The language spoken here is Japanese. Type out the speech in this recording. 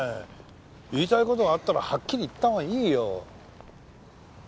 言いたい事があったらはっきり言ったほうがいいよ。